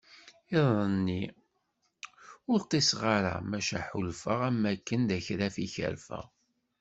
Iḍ-nni, ur ṭṭiseɣ ara maca ḥulfaɣ am wakken d akraf i kerfeɣ.